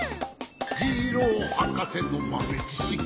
「ジローはかせのまめちしき」